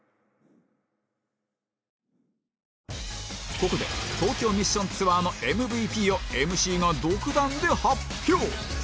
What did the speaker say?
ここで『東京ミッションツアー』の ＭＶＰ を ＭＣ が独断で発表